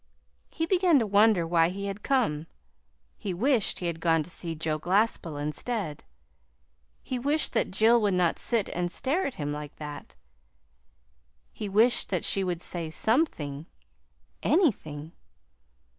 He began to wonder why he had come. He wished he had gone to see Joe Glaspell instead. He wished that Jill would not sit and stare at him like that. He wished that she would say something anything.